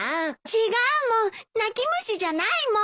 違うもん泣き虫じゃないもん。